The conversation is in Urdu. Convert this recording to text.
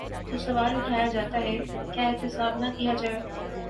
تو سوال اٹھایا جاتا ہے: کیا احتساب نہ کیا جائے؟